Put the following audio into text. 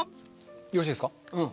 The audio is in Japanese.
よろしいですか？